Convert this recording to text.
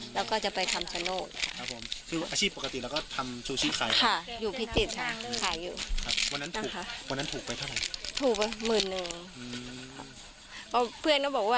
แล้วก็จะไปทำสโน่นค่ะ